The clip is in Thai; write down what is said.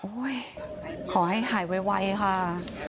ขอให้หายไวค่ะ